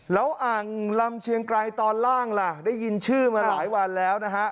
แล้วอ่างลำเชียงไกรตอนล่างล่ะได้ยินชื่อมาหลายวันแล้วนะฮะ